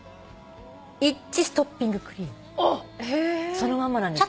そのまんまなんですけど。